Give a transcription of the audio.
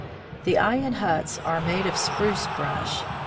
The Ayan huts are made of spruce brush.